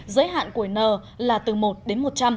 giới hạn của n là từ một đến một trăm linh